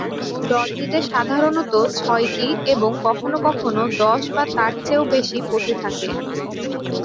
দলটিতে সাধারণত ছয়টি এবং কখনো কখনো দশ বা তার চেয়েও বেশি পশু থাকে।